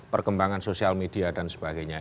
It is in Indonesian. perkembangan sosial media dan sebagainya